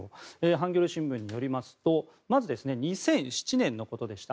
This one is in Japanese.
ハンギョレ新聞によりますとまず、２００７年のことでした。